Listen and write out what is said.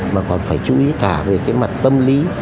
mà còn phải chú ý cả về cái mặt tâm lý